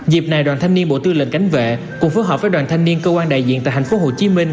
dịp này đoàn thanh niên bộ tư lệnh cánh vệ cũng phối hợp với đoàn thanh niên cơ quan đại diện tại thành phố hồ chí minh